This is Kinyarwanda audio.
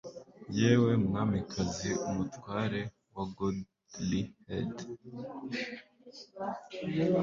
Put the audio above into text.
Yewe Mwamikazi umutware wa goodlihead